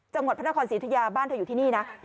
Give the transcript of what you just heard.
จังหวัดพระนครศรีธุยาบ้านเธออยู่ที่นี่นะ